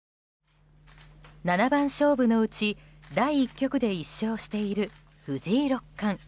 七番勝負のうち第１局で１勝している藤井六冠。